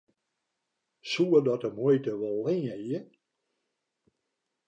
Soe dat de muoite wol leanje?